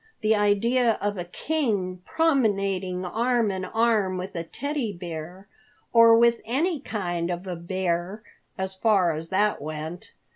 The idea of a king promenading arm in arm with a Teddy Bear, or with any kind of a bear, as far as that went!